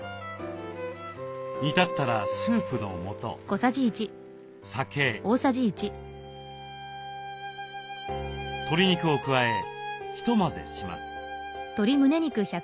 煮立ったらスープの素酒鶏肉を加えひと混ぜします。